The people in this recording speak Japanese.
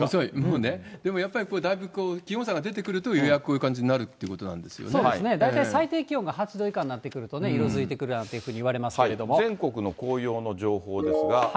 でもやっぱりだいぶ気温差が出てくると、ようやくこういう感じにそうですね、大体最低気温が８度以下になってくるとね、色づいてくるなんていわれますけれど全国の紅葉の情報ですが。